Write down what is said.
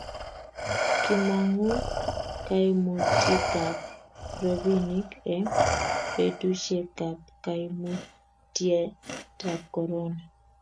kimong'u kaimutikab robinik eng' betusiekab kaimutietab korona